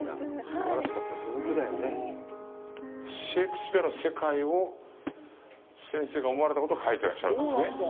シェイクスピアの世界を先生が思われたことを描いていらっしゃるんですね？